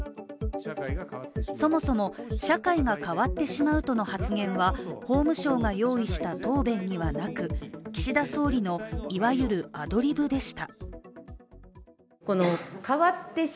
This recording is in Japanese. そもそも社会が変わってしまうとの発言は、法務省が用意した答弁にはなく岸田総理の、いわゆるアドリブでした。